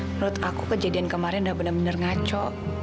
menurut aku kejadian kemarin udah benar benar ngaco